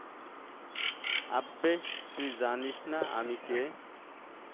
আব্বে, তুই জানিস না আমি কে।